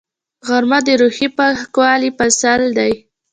غرمه د روحي پاکوالي فصل دی